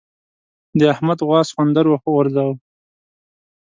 د احمد غوا سخوندر وغورځاوو.